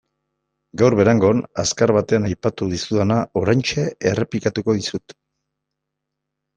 Gaur Berangon azkar batean aipatu dizudana oraintxe errepikatuko dizut.